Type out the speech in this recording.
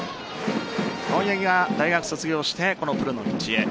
青柳が大学卒業してこのプロの道へ。